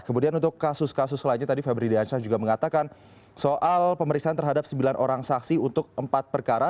kemudian untuk kasus kasus lainnya tadi febri diansyah juga mengatakan soal pemeriksaan terhadap sembilan orang saksi untuk empat perkara